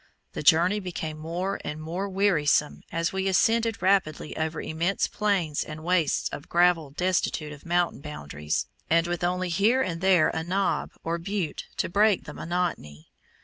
The journey became more and more wearisome as we ascended rapidly over immense plains and wastes of gravel destitute of mountain boundaries, and with only here and there a "knob" or "butte" to break the monotony.